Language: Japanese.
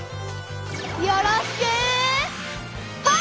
よろしくファンファン！